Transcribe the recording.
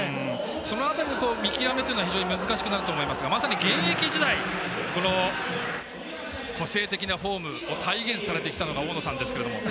その辺りの見極めというのは非常に難しくなると思いますがまさに現役時代個性的なフォームを体現されてきたのが大野さんですが。